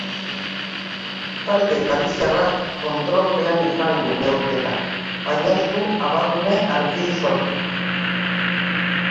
Talde galiziarrak kontrolpean izan du neurketa, baina ez du abagune argirik sortu.